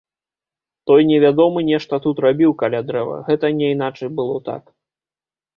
Той невядомы нешта тут рабіў каля дрэва, гэта няйначай было так.